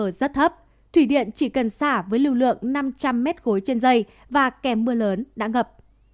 rất thấp thủy điện chỉ cần xả với lưu lượng năm trăm linh m khối trên dây và kèm mưa lớn đã ngập